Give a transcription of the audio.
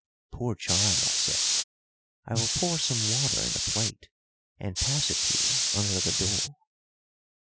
"Poor child!" I said, "I will pour some water in a plate and pass it to you under the door."